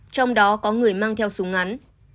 trong đó có người mang theo súng ngắn